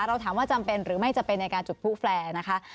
เราถามว่าจำเป็นหรือไม่จำเป็นในการจุดผู้แฟร์นะคะ